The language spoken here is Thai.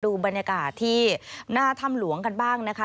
ดูบรรยากาศที่หน้าถ้ำหลวงกันบ้างนะคะ